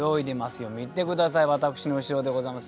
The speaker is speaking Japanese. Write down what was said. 見て下さい私の後ろでございます。